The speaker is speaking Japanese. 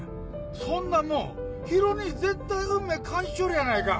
そんなんもうひろ兄絶対運命感じちょるやないか！